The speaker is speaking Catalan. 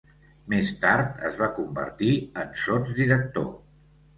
Més tard es va convertir en sotsdirector.